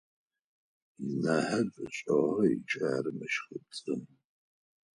Ынэхэр фэшӏыгъэ ыкӏи ар мэщхыпцӏы.